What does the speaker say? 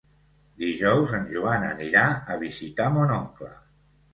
Dijous en Joan anirà a visitar mon oncle.